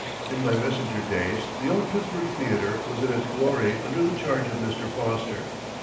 In my messenger days the old Pittsburgh Theater was in its glory under the charge of Mr. Foster.